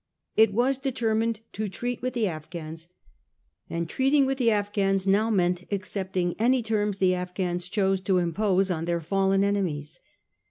It was determined to treat with the Afghans; and treating with the Afghans now meant accepting any terms the Afghans chose to impose on their fallen enemies.